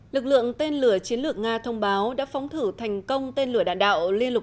lực lượng tên lửa chiến lược nga thông báo đã phóng thử thành công tên lửa đạn đạo liên lục